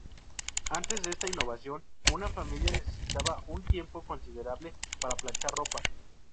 Antes de esta innovación, una familia necesitaba un tiempo considerable para planchar la ropa.